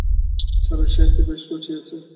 চারুর সাহিত্যে বেশ রুচি আছে।